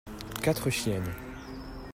Quatre chiennes.